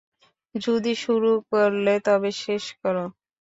যদি শুরু করলে তবে শেষ করো!